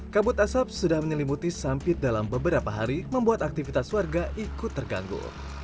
kabut asap sudah menyelimuti sampit dalam beberapa hari membuat aktivitas warga ikut terganggu